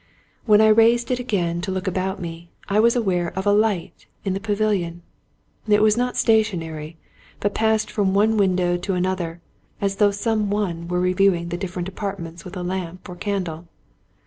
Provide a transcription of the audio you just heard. When I raised it again to look about me, I was aware of a light in the pavilion. It was not stationary; but passed from one window to another, as though some one were re viewing the different apartments with a lamp or candle.